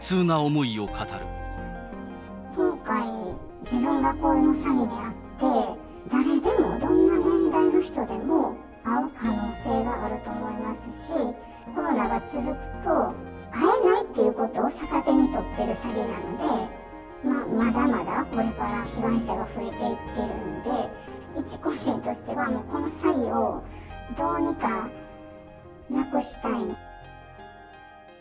今回、自分がこの詐欺に遭って、誰でもどんな年代の人でも遭う可能性があると思いますし、コロナが続くと、会えないっていうことを逆手に取ってる詐欺なんで、まだまだこれから被害者が増えていってるんで、一個人としては、この詐欺をどうにかなくしたい。